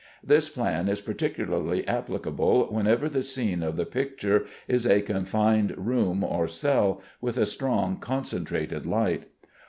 This plan is particularly applicable whenever the scene of the picture is a confined room or cell, with a strong concentrated light.